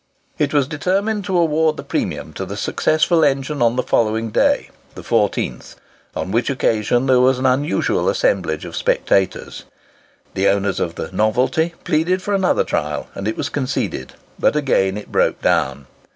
It was determined to award the premium to the successful engine on the following day, the 14th, on which occasion there was an unusual assemblage of spectators. The owners of the "Novelty" pleaded for another trial; and it was conceded. But again it broke down.